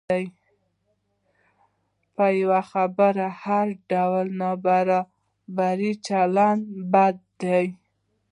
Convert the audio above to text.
په یوه خبره هر ډول نابرابر چلند بد دی.